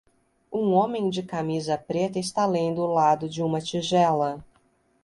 Um homem de camisa preta está lendo o lado de uma tigela